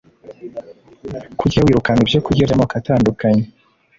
Kurya wirukanka ibyokurya byamoko atandukanye